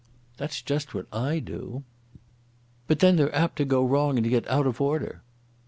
"That's just what I do." "But then they're apt to go wrong and get out of order."